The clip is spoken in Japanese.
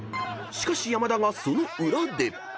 ［しかし山田がその裏で］